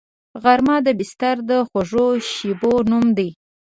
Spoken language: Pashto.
غرمه د بستر د خوږو شیبو نوم دی